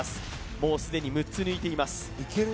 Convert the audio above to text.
もうすでに６つ抜いていますいける？